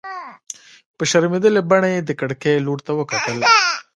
په شرمېدلې بڼه يې د کړکۍ لور ته وکتل.